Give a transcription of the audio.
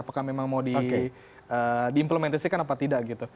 apakah memang mau di implementasikan apa tidak gitu